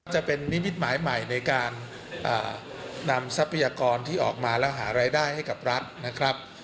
จะเป็นนิมิตหมายใหม่ในการนำทรัพยากรที่ออกมาแล้วหารายได้ให้กับรัฐนะครับ